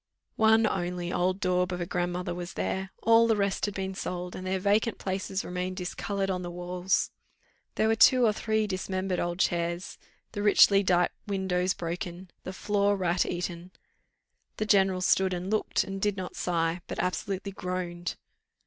One only old daub of a grandmother was there; all the rest had been sold, and their vacant places remained discoloured on the walls. There were two or three dismembered old chairs, the richly dight windows broken, the floor rat eaten. The general stood and looked, and did not sigh, but absolutely groaned.